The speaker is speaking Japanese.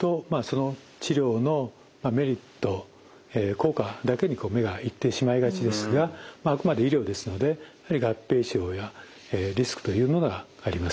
効果だけに目が行ってしまいがちですがあくまで医療ですのでやはり合併症やリスクというものがあります。